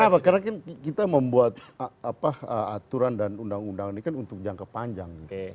kenapa karena kan kita membuat aturan dan undang undang ini kan untuk jangka panjang